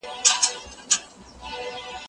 زه پرون ږغ اورم وم!؟